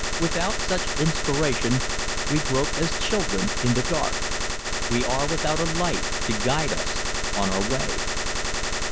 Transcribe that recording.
Without such inspiration we grope as children in the dark. We are without a light to guide us on our way.